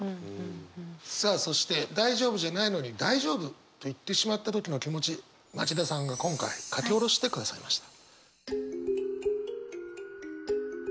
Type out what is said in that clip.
さあそして大丈夫じゃないのに大丈夫と言ってしまった時の気持ち町田さんが今回書き下ろしてくださいました。